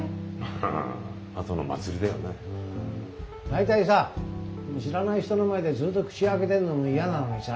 大体さ知らない人の前でずっと口開けてるのも嫌なのにさ